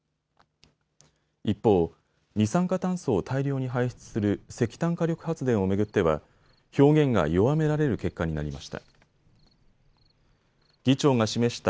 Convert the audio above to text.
一方、二酸化炭素を大量に排出する石炭火力発電を巡っては表現が弱められる結果になりました。